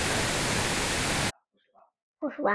中华四极虫为四极科四极虫属的动物。